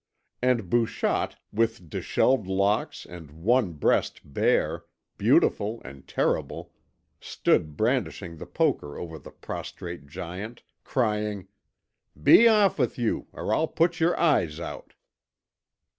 And Bouchotte, with dishevelled locks, and one breast bare, beautiful and terrible, stood brandishing the poker over the prostrate giant, crying: "Be off with you, or I'll put your eyes out!"